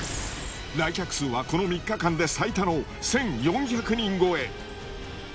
来客数はこの３日間で最多の１４００人超え。